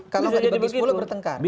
kalau nggak dibagi sepuluh bertengkar